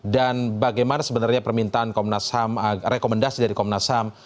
dan bagaimana sebenarnya permintaan komnas ham rekomendasi dari komnas ham